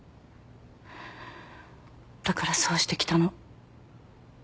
だからそうしてきたの。